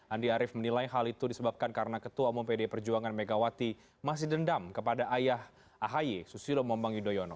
andi arief menilai hal itu disebabkan karena ketua umum pd perjuangan megawati masih dendam kepada ayah ahi susilo mombang yudhoyono